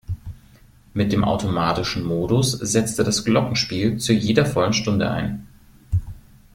Mit dem automatischen Modus setzte das Glockenspiel zu jeder vollen Stunde ein.